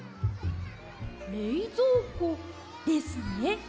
れいぞうこですね。